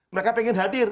mereka pengen hadir